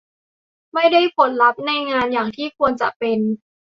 ไม่ได้ผลลัพธ์ในงานอย่างที่ควรจะเป็น